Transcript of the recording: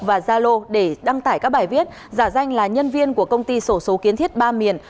và gia lô để đăng tải các bài viết giả danh là nhân viên của công ty sổ số kiến thiết ba miền